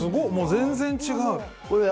全然違う。